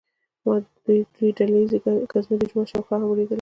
ما د دوی ډله ییزې ګزمې د جومات شاوخوا هم ولیدلې.